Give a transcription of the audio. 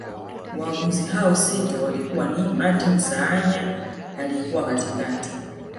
Waamuzi hao sita walikuwa ni Martin Saanya aliyekuwa katikati